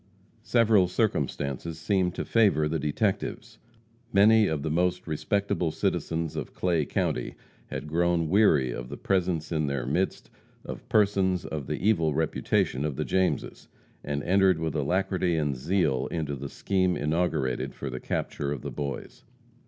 Several circumstances seemed to favor the detectives. Many of the most respectable citizens of Clay county had grown weary of the presence in their midst of persons of the evil reputation of the Jameses, and entered with alacrity and zeal into the scheme inaugurated for the capture of the Boys.